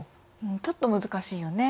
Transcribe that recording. ちょっと難しいよね。